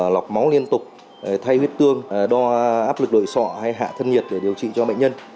lọc máu liên tục thay huyết tương đo áp lực nội sọ hay hạ thân nhiệt để điều trị cho bệnh nhân